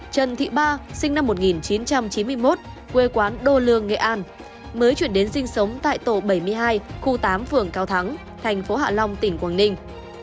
trần thị ba sinh năm một nghìn chín trăm chín mươi một quê quán đô lương nghệ an mới chuyển đến sinh sống tại tổ bảy mươi hai khu tám phường cao thắng thành phố hạ long tỉnh quảng ninh